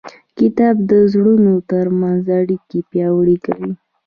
کتاب د زړونو ترمنځ اړیکې پیاوړې کوي.